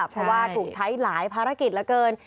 เพราะว่าถูกใช้หลายภารกิจเหลือเกิน